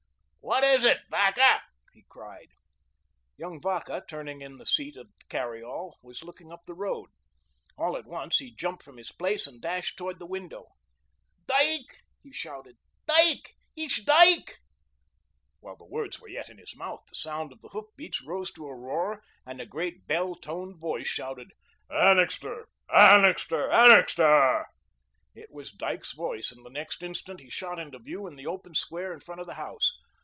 "What is it, Vacca?" he cried. Young Vacca, turning in his seat in the carryall, was looking up the road. All at once, he jumped from his place, and dashed towards the window. "Dyke," he shouted. "Dyke, it's Dyke." While the words were yet in his mouth, the sound of the hoof beats rose to a roar, and a great, bell toned voice shouted: "Annixter, Annixter, Annixter!" It was Dyke's voice, and the next instant he shot into view in the open square in front of the house.